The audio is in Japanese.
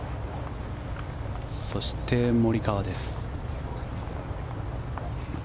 そしてモリカワです。